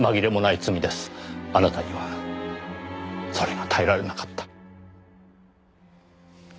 あなたにはそれが耐えられなかった。